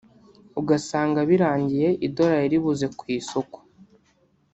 ugasanga birangiye idorali ribuze ku isoko